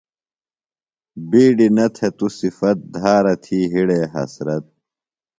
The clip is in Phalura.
بِیڈیۡ نہ تھہ تو صِفت دھارہ تھی ہِڑے حسرت۔